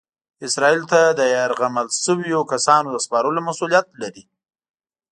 اسرائیلو ته د یرغمل شویو کسانو د سپارلو مسؤلیت لري.